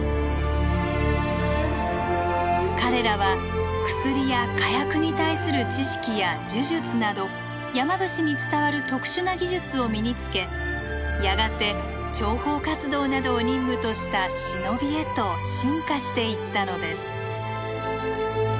彼らは薬や火薬に対する知識や呪術など山伏に伝わる特殊な技術を身につけやがて諜報活動などを任務とした忍びへと進化していったのです。